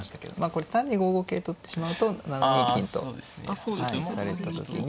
これ単に５五桂と打ってしまうと７二金とされた時に。